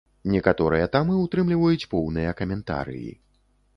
Некаторыя тамы ўтрымліваюць поўныя каментарыі.